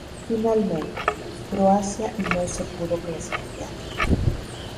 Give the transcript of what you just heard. Finalmente, Croacia no se pudo clasificar.